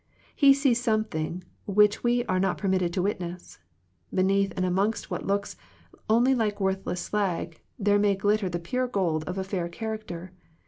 He sees something which we are not permitted to witness. Beneath and amongst what looks only like worthless slag, there may glitter the pure gold of a fair character.